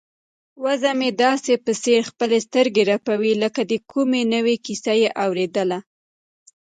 وزه مې داسې په ځیر خپلې سترګې رپوي لکه د کومې نوې کیسې اوریدل.